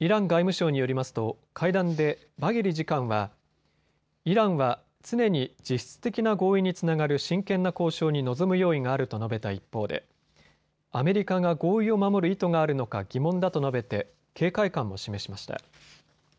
イラン外務省によりますと会談でバゲリ次官はイランは常に実質的な合意につながる真剣な交渉に臨む用意があると述べた一方でアメリカが合意を守る意図があるのか疑問だと述べて警戒感も示しました。